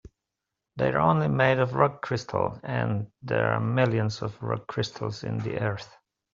They're only made of rock crystal, and there are millions of rock crystals in the earth.